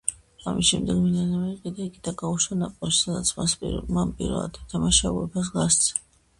ამის შემდეგ მილანმა იყიდა იგი და გაუშვა ნაპოლიში, სადაც მან პირველად ითამაშა უეფას თასზე.